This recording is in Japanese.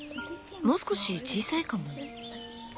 もう少し小さいかも。